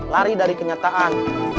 lari dari kenyataan